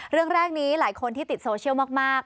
เรื่องแรกนี้หลายคนที่ติดโซเชียลมาก